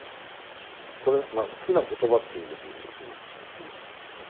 これ好きな言葉っていうのでちょっと今。